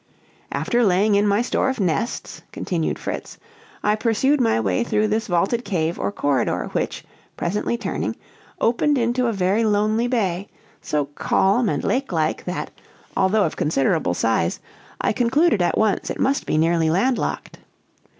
"After laying in my store of nests," continued Fritz, "I pursued my way through this vaulted cave or corridor; which, presently turning, opened into a very lonely bay, so calm and lake like, that, although of considerable size, I concluded at once it must be nearly land locked.